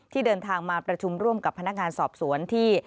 เดินทางมาประชุมร่วมกับพนักงานสอบสวนที่